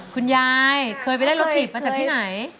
คุณยายเคยไปรถถีมอย่างไงครับ